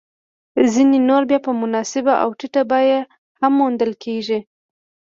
ځیني نور بیا په مناسبه او ټیټه بیه هم موندل کېږي